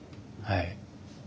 はい。